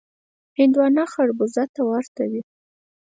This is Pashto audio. هندوانه خړبوزه ته ورته وي.